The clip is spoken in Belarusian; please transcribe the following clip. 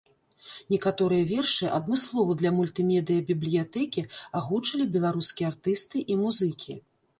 Некаторыя вершы адмыслова для мультымедыя-бібліятэкі агучылі беларускія артысты і музыкі.